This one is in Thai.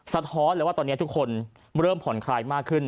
สะท้อนเลยว่าตอนนี้ทุกคนเริ่มผ่อนคลายมากขึ้น